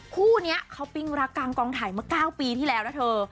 คู่นี้เพราะว่าพี่กองถ่ายมาเมื่อ๙ปีที่แล้วนะเธอ